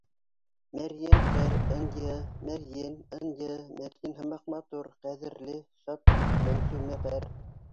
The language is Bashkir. Мәрйен ғәр. — ынйы, мәрйен; ынйы, мәрйен һымаҡ матур, ҡәҙерле — шат Мәнзүмә ғәр.